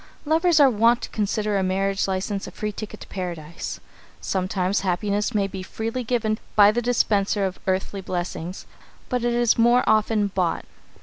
Lovers are wont to consider a marriage license a free ticket to Paradise. Sometimes happiness may be freely given by the dispenser of earthly blessings, but it is more often bought.